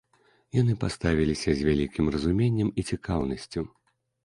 Яны паставіліся з вялікім разуменнем і цікаўнасцю.